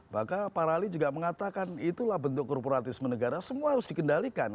maka para ahli juga mengatakan itulah bentuk korporatisme negara semua harus dikendalikan